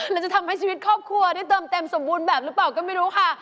แล้วจะทำให้ชีวิตครอบครัวได้เติมเต็มสมบูรณ์แบบหรือเปล่าก็ไม่รู้ค่ะ